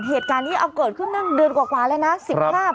เหตุการณ์นี้เอาเกิดขึ้นนั่งเดือนกว่าเลยนะ